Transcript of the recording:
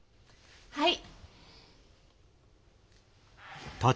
はい。